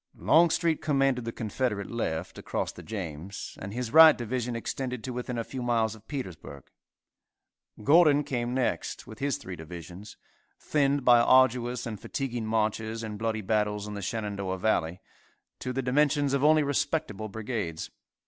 Longstreet commanded the Confederate left, across the James, and his right division extended to within a few miles of Petersburg. Gordon came next, with his three divisions, thinned by arduous and fatiguing marches and bloody battles in the Shenandoah Valley, to the dimensions of only respectable brigades.